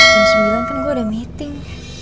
jam sembilan kan gue ada meeting